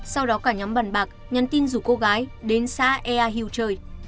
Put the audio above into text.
sau đó cả nhóm bằn bạc nhắn tin rủ cô gái đến xã ea hiu trời